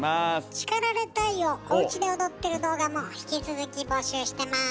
「叱られたい！」をおうちで踊ってる動画も引き続き募集してます。